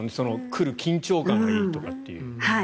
来る緊張感がいいとかって。